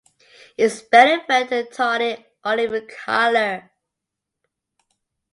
Its belly fur is tawny olive in color.